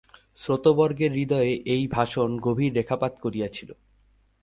শ্রোতৃবর্গের হৃদয়ে এই ভাষণ গভীর রেখাপাত করিয়াছিল।